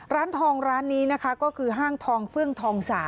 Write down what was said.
ร้านทองร้านนี้นะคะก็คือห้างทองเฟื่องทอง๓